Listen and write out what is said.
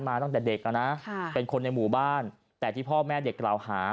ตั้งแต่เด็กอ่ะนะเป็นคนในหมู่บ้านแต่ที่พ่อแม่เด็กกล่าวหา